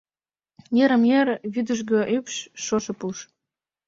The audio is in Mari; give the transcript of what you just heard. Йырым-йыр вӱдыжгӧ ӱпш, шошо пуш.